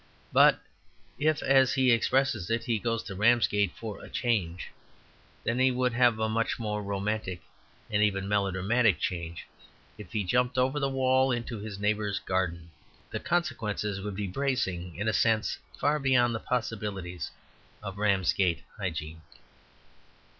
But if, as he expresses it, he goes to Ramsgate "for a change," then he would have a much more romantic and even melodramatic change if he jumped over the wall into his neighbours garden. The consequences would be bracing in a sense far beyond the possibilities of Ramsgate hygiene.